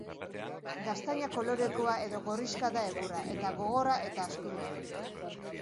Gaztaina-kolorekoa edo gorrixka da egurra, eta gogorra eta astuna.